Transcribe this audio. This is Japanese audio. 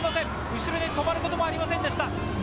後ろに止まることもありませんでした。